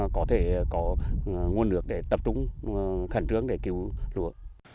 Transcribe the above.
có thể có nguồn lực để tập trung khẩn trướng để cứu lúa